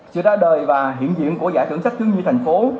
sự ra đời và hiện diện của giải thưởng sách thiếu nhi thành phố